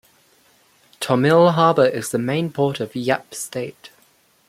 Tomil Harbor is the main port of Yap State.